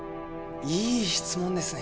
いい質問ですね